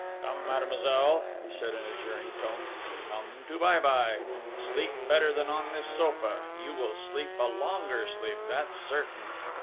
"Come, mademoiselle," he said in a jeering tone. "Come to bye bye! Sleep better than on this sofa! You will sleep a longer sleep, that's certain!"